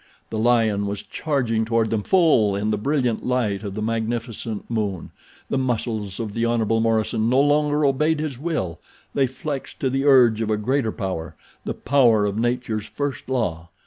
The lion was charging toward them full in the brilliant light of the magnificent moon. The muscles of the Hon. Morison no longer obeyed his will—they flexed to the urge of a greater power—the power of Nature's first law.